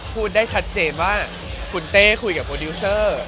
พูดได้ชัดเจนว่าคุณเต้คุยกับโปรดิวเซอร์